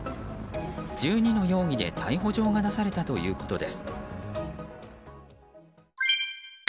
１２の容疑で逮捕状が出されたということです。